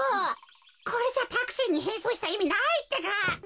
これじゃタクシーにへんそうしたいみないってか！